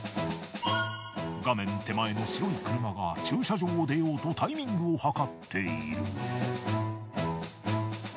画面手前の白い車が駐車場を出ようとタイミングを図っている。